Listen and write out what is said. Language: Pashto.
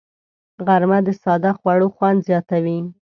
غرمه د ساده خوړو خوند زیاتوي